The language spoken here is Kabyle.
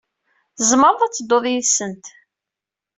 Tzemreḍ ad tedduḍ yid-sent.